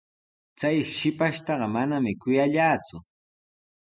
Chay shipashtaqa manami kuyallaaku.